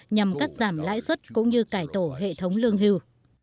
nhằm cắt giảm lãi suất cũng như cải tổ hệ thống lương hưu